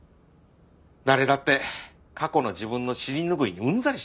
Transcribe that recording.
誰だって過去の自分の尻ぬぐいにうんざりしてんだ。